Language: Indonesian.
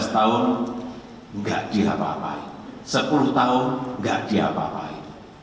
lima belas tahun tidak diapa apai sepuluh tahun tidak diapa apai